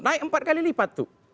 naik empat kali lipat tuh